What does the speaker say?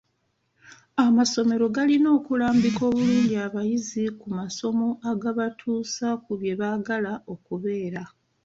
Amasomero galina okulambika obulungi abayizi ku masomo agabatuusa ku bye baagala okubeera.